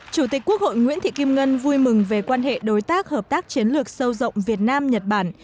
chủ tịch quốc hội nguyễn thị kim ngân vui mừng về quan hệ đối tác hợp tác chiến lược sâu rộng việt nam nhật bản